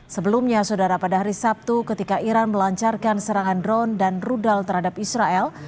sebelumnya saudara pada hari sabtu ketika iran melancarkan serangan drone dan rudal terhadap israel